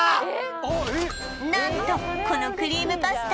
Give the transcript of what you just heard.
何とこのクリームパスタ